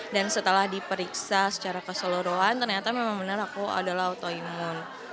dan setelah diperiksa secara keseluruhan ternyata memang benar aku adalah autoimun